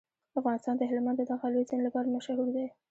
افغانستان د هلمند د دغه لوی سیند لپاره مشهور دی.